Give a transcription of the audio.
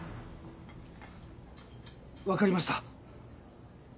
わかりました。